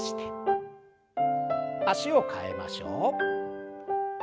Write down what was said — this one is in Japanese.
脚を替えましょう。